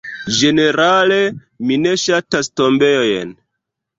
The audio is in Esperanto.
Ĝenerale mi ne ŝatas tombejojn.